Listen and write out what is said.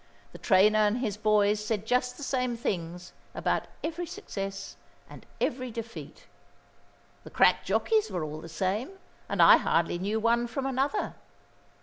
The trainer and his boys said just the same things about every success and every defeat. The crack jockeys were all the same, and I hardly knew one from another.